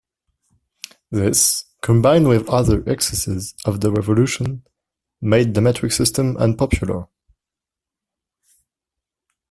This, combined with other excesses of the Revolution made the metric system unpopular.